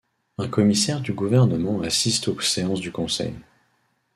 Un commissaire du gouvernement assiste aux séances du Conseil.